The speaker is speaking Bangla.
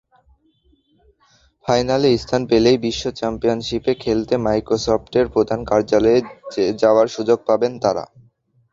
ফাইনালে স্থান পেলেই বিশ্বচ্যাম্পিয়্যানশিপে খেলতে মাইক্রোসফটের প্রধান কার্যালয়ে যাওয়ার সুযোগ পাবেন তাঁরা।